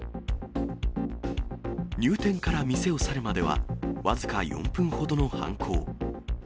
入店から店を去るまでは、僅か４分ほどの犯行。